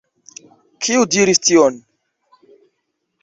Kiu diris tion?